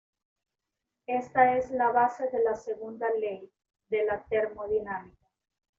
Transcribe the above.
Esta es la base de la segunda ley de la termodinámica.